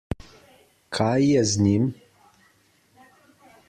Kaj je z njim?